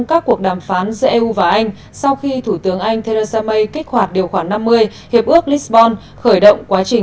hiệp ước lisbon khởi động quá trình anh ra khỏi eu